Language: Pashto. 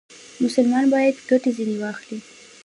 مسلمان باید ګټه ځنې واخلي.